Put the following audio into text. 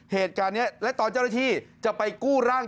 เหตุการณ์นี้และตอนเจ้าหน้าที่จะไปกู้ร่าง